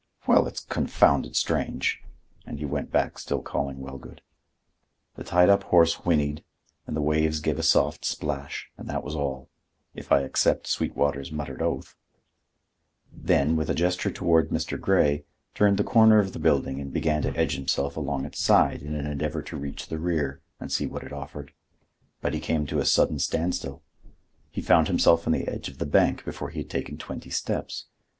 "Well, it's confounded strange!" And he went back, still calling Wellgood. The tied up horse whinnied, and the waves gave a soft splash and that was all,—if I except Sweetwater's muttered oath. Coming back, he looked again at the window, then, with a gesture toward Mr. Grey, turned the corner of the building and began to edge himself along its side in an endeavor to reach the rear and see what it offered. But he came to a sudden standstill. He found himself on the edge of the bank before he had taken twenty steps.